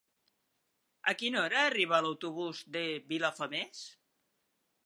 A quina hora arriba l'autobús de Vilafamés?